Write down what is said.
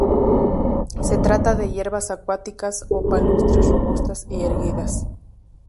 Se trata de hierbas acuáticas o palustres, robustas y erguidas.